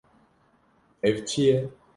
Ev çi ye?